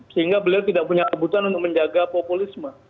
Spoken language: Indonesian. sehingga beliau tidak punya kebutuhan untuk menjaga populisme